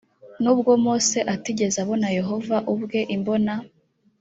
n ubwo mose atigeze abona yehova ubwe imbona